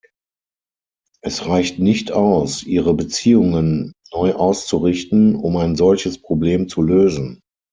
Es reicht nicht aus, ihre Beziehungen neu auszurichten, um ein solches Problem zu lösen!